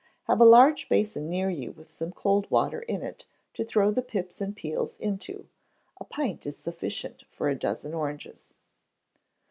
Have a large basin near you with some cold water in it, to throw the pips and peels into a pint is sufficient for a dozen oranges.